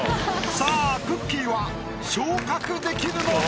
さあくっきー！は昇格できるのか？